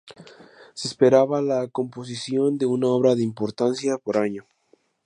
Se esperaba la composición de una obra de importancia por año.